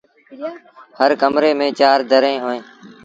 هر ڪمري ميݩ چآر دريٚݩ اوهيݩ ۔